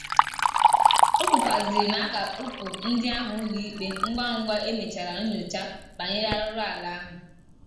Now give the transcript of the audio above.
O kwukwazịrị na a ga-akpụpụ ndị ahụ ụlọikpe mgwamgwa e mechara nnyocha banyere arụrụala ha